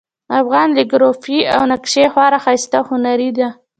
افغان کالیګرافي او نقاشي خورا ښایسته او هنري ده